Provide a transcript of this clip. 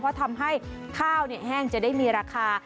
เพราะทำให้ข้าวแห้งจะได้มีราคา